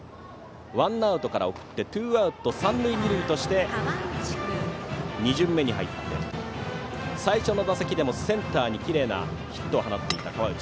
ワンアウトから送ってツーアウト、三塁二塁として２巡目に入って最初の打席でもセンターにきれいなヒットを放っていた河内。